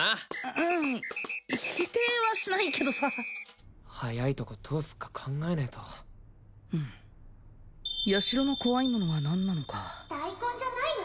ううん否定はしないけどさ早いとこどうすっか考えねえとうんヤシロの怖いものは何なのか大根じゃないよ